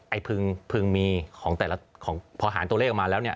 พึงพึงมีของแต่ละของพอหารตัวเลขออกมาแล้วเนี่ย